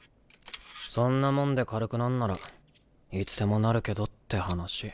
そんなもんで軽くなんならいつでもなるけどって話。